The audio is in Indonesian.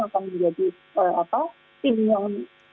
akan menjadi tim yang